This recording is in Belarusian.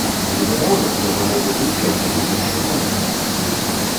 Безумоўна, яна можа быць і абсалютна непрымальная.